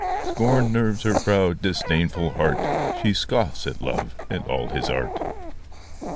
Scorn nerves her proud, disdainful heart ! She scoffs at Love and all his art